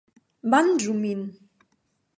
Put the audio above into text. Manĝu Min.